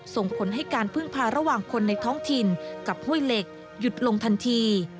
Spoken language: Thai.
ส่งผลให้การพึ่งพาระหว่างคนในท้องถิ่นกับห้วยเหล็กหยุดลงทันที